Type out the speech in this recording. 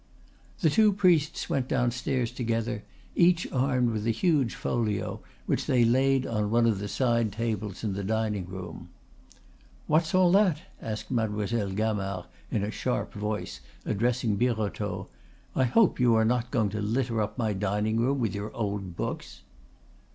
The two priests went downstairs together, each armed with a huge folio which they laid on one of the side tables in the dining room. "What's all that?" asked Mademoiselle Gamard, in a sharp voice, addressing Birotteau. "I hope you are not going to litter up my dining room with your old books!"